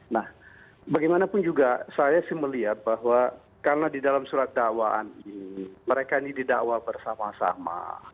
nah bagaimanapun juga saya sih melihat bahwa karena di dalam surat dakwaan ini mereka ini didakwa bersama sama